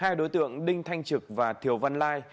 hai đối tượng đinh thanh trực và thiều văn lai